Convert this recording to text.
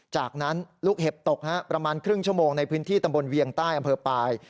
จากนั้นลูกเห็บตกประมาณครึ่งชั่วโมงในพื้นที่ตำบลเวียงใต้อำเภอปลาย